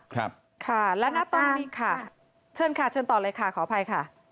ครับค่ะและณตอนนี้ค่ะเชิญค่ะเชิญต่อเลยค่ะขออภัยค่ะ